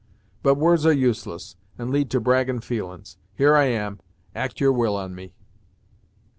But words are useless, and lead to braggin' feelin's; here I am; act your will on me."